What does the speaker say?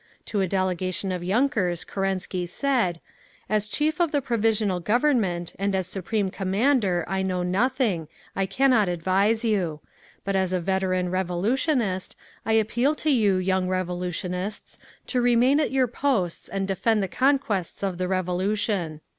To a delegation of yunkers Kerensky said, "As chief of the Provisional Government and as Supreme Commander I know nothing, I cannot advise you; but as a veteran revolutionist, I appeal to you, young revolutionists, to remain at your posts and defend the conquests of the Revolution."